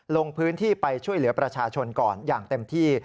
ลงพื้นที่ไปช่วยเหลือประชาชนก่อนอย่างเต็มที่